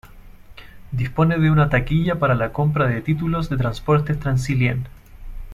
Dispone de una taquilla para la compra de títulos de transportes Transilien.